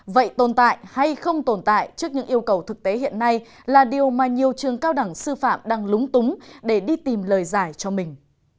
vậy tồn tại hay không tồn tại trước những yêu cầu thực tế hiện nay là điều mà nhiều trường cao đẳng sư phạm đang lúng túng để đi tìm lời giải cho mình